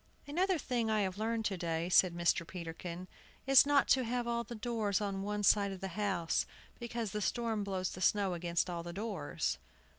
"Another thing I have learned to day," said Mr. Peterkin, "is not to have all the doors on one side of the house, because the storm blows the snow against all the doors."